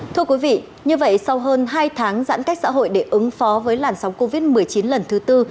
thưa quý vị như vậy sau hơn hai tháng giãn cách xã hội để ứng phó với làn sóng covid một mươi chín lần thứ tư